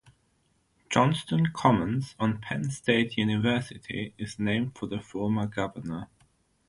Johnston Commons on Penn State University is named for the former governor.